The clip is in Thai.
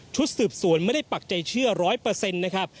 ชุดสืบสวนไม่ได้ปักใจเชื่อร้อยเปอร์เซ็นต์นะครับ